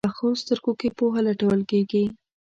پخو سترګو کې پوهه لټول کېږي